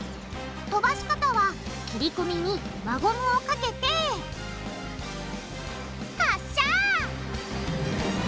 飛ばし方は切り込みに輪ゴムをかけて発射！